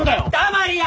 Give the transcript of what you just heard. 黙りや！